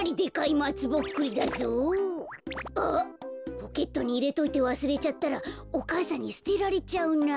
ポケットにいれといてわすれちゃったらお母さんにすてられちゃうな。